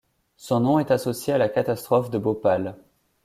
Son nom est associé à la catastrophe de Bhopal.